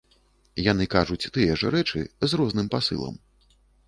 Яны кажуць тыя ж рэчы з розным пасылам.